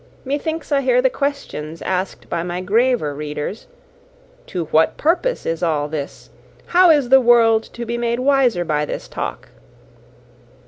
Methinks I hear the questions asked by my graver readers, "To what purpose is all this? how is the world to be made wiser by this talk?"